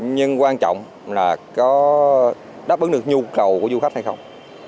nhưng quan trọng là có đáp ứng được nhu cầu của du khách hay không